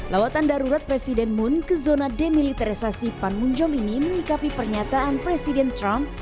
lawatan darurat presiden moon ke zona demilitarisasi panmunjom ini mengikapi pernyataan presiden trump